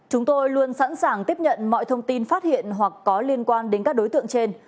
chúng tôi luôn sẵn sàng tiếp nhận mọi thông tin phát hiện hoặc có liên quan đến các đối tượng trên